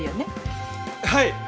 はい。